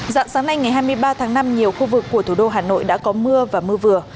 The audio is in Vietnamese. dạng sáng nay ngày hai mươi ba tháng năm nhiều khu vực của thủ đô hà nội đã có mưa và mưa vừa